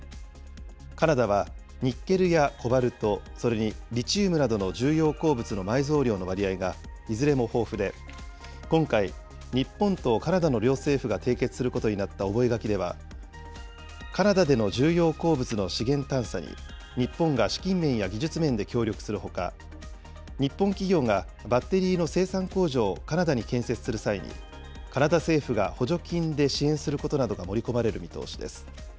カナダはニッケルやコバルト、それにリチウムなどの重要鉱物の埋蔵量の割合がいずれも豊富で、今回、日本とカナダの両政府が締結することになった覚書では、カナダでの重要鉱物の資源探査に日本が資金面や技術面で協力するほか、日本企業がバッテリーの生産工場をカナダに建設する際に、カナダ政府が補助金で支援することなどが盛り込まれる見通しです。